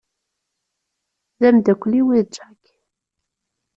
D amdakel-iw i d Jack.